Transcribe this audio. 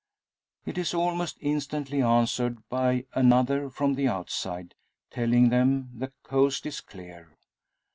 It is almost instantly answered by another from the outside, telling them the coast is clear.